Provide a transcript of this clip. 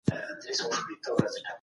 دا ناشونی کار نه دی.